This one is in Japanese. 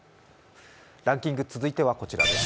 ランキング、続いてはこちらです。